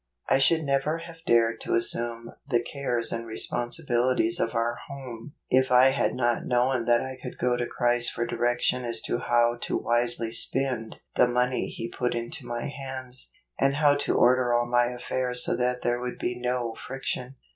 I should never have dared to assume the cares and responsibilities of our home if I had not known that I could go to Christ for direction as to how to wisely spend the money He put into my hands,, and how to order all my affairs so that there would be no friction.